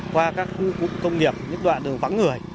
qua các khu cụm công nghiệp những đoạn đường vắng người